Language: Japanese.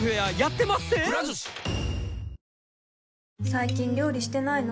最近料理してないの？